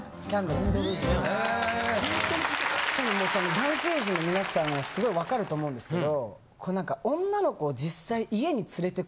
男性陣の皆さんはすごいわかると思うんですけど。